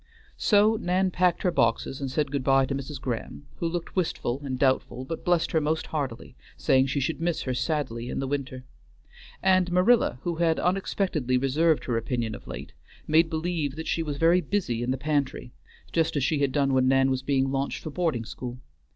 So Nan packed her boxes and said good by to Mrs. Graham, who looked wistful and doubtful, but blessed her most heartily, saying she should miss her sadly in the winter. And Marilla, who had unexpectedly reserved her opinion of late, made believe that she was very busy in the pantry, just as she had done when Nan was being launched for boarding school.